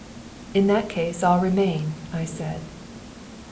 ] "In that case I'll remain," I said.